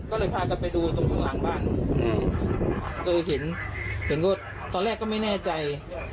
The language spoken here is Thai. ก็เลยพากันไปดูตรงข้างหลังบ้านก็เห็นเห็นก็ตอนแรกก็ไม่แน่ใจ